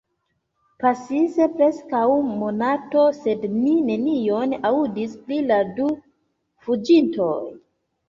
Pasis preskaŭ monato, sed ni nenion aŭdis pri la du fuĝintoj.